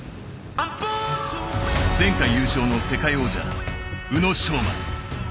前回優勝の世界王者・宇野昌磨。